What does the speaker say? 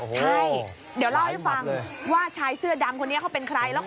ใช่เดี๋ยวเล่าให้ฟังว่าชายเสื้อดำคนนี้เขาเป็นใคร